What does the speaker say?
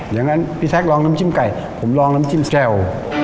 อย่างนั้นพี่แท็กลองน้ำจิ้มไก่ผมลองน้ำจิ้มสแกล